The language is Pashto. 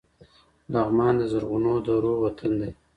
لغمان د زرغونو درو وطن دی.